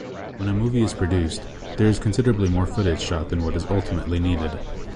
When a movie is produced, there is considerably more footage shot than what is ultimately needed.